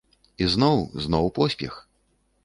І зноў, зноў поспех.